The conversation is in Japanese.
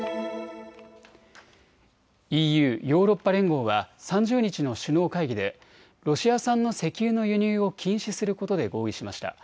ＥＵ・ヨーロッパ連合は３０日の首脳会議でロシア産の石油の輸入を禁止することで合意しました。